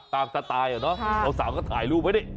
ตามจะตายเหรอเนาะสาวสาวก็ถ่ายรูปไว้นี่